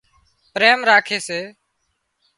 پريم راکي سي